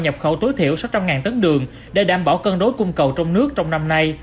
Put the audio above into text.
nhập khẩu tối thiểu sáu trăm linh tấn đường để đảm bảo cân đối cung cầu trong nước trong năm nay